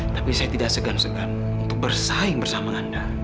tapi saya tidak segan segan untuk bersaing bersama anda